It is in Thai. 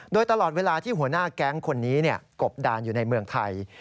โดยตลอดเวลาที่หัวหน้าแก๊งคนนี้กบดานอยู่ในเมืองไทย